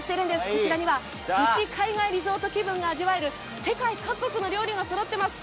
こちらにはプチ海外リゾート気分が味わえる世界各国の料理がそろってます。